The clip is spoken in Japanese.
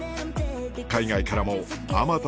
海外からもあまた